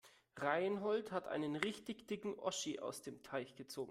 Reinhold hat einen richtig dicken Oschi aus dem Teich gezogen.